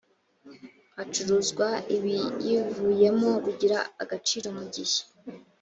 hacuruzwa ibiyivuyemo rugira agaciro mu gihe